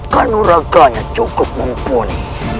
kan luraganya cukup mumpuni